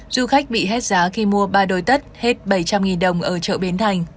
du khách bị hết giá khi mua ba đôi tất hết bảy trăm linh đồng ở chợ bến thành